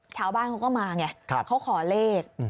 ชาวบ้านเขาก็มาไงเขาขอเลข